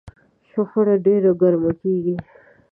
شخړه ډېره ګرمه کېږي.